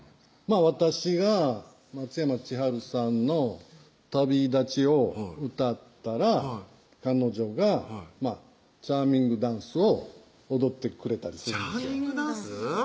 私が松山千春さんの旅立ちを歌ったら彼女がチャーミングダンスを踊ってくれたりチャーミングダンス？